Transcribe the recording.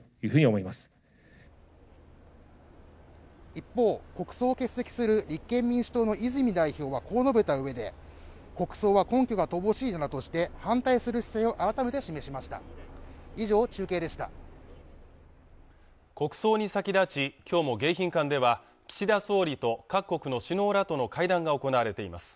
一方国葬を欠席する立憲民主党の泉代表はこう述べた上で国葬は根拠が乏しいなどとして反対する姿勢を改めて示しました以上中継でした国葬に先立ち今日も迎賓館では岸田総理と各国の首脳らとの会談が行われています